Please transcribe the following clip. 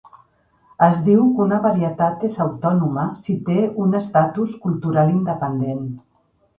Es diu que una varietat és autònoma si té un estatus cultural independent.